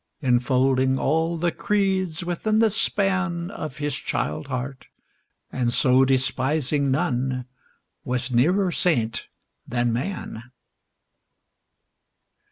Enfolding all the creeds within the span Of his child heart; and so, despising none, Was nearer saint than man.